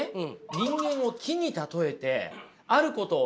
人間を木に例えてあることを言いました。